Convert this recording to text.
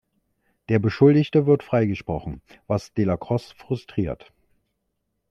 Der Beschuldigte wird freigesprochen, was Dellacroce frustriert.